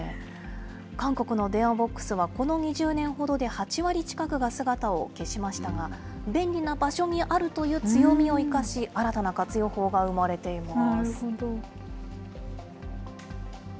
韓国の電話ボックスは、この２０年ほどで８割近くが姿を消しましたが、便利な場所にあるという強みを生かし、新たな活用法がなるほど。